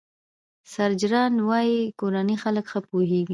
سرچران وايي کورني خلک ښه پوهېږي.